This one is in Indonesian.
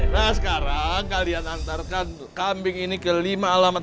nah sekarang kalian antarkan kambing ini ke lima alamat